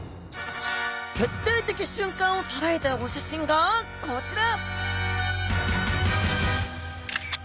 決定的瞬間を捉えたお写真がこちら！